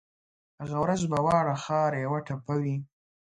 هغه ورځ به واړه ښار یوه ټپه وي